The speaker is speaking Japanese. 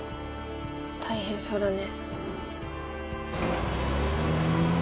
大変そうだね。